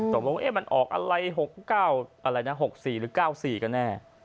ตกลงมันออกอะไร๖๙อะไรนะ๖๔หรือ๙๔กันแน่